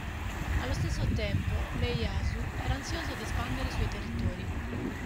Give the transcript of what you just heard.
Allo stesso tempo Ieyasu era ansioso di espandere i suoi territori.